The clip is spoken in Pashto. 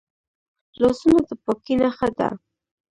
لاسونه د پاکۍ نښه ده